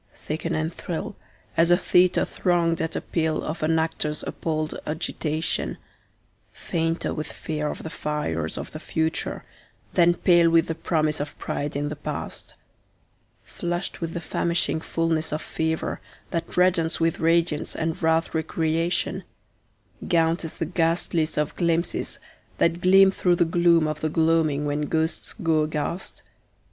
Thicken and thrill as a theatre thronged at appeal of an actor's appalled agitation, Fainter with fear of the fires of the future than pale with the promise of pride in the past; Flushed with the famishing fullness of fever that reddens with radiance and rathe* recreation, [speedy] Gaunt as the ghastliest of glimpses that gleam through the gloom of the gloaming when ghosts go aghast?